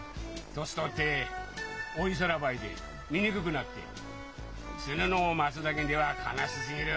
年取って老いさらばえて醜くなって死ぬのを待つだけでは悲しすぎる。